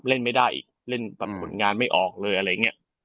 เล่นไม่ได้อีกเล่นแบบผลงานไม่ออกเลยอะไรอย่างนี้